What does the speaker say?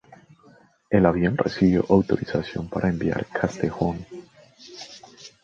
El avión recibió autorización para evitar Castejón.